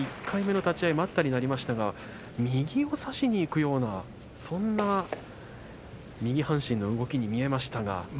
１回目待ったになりましたが右を差しにいくようなそんな右半身の動きに見えましたが。